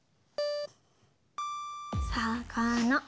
さかな。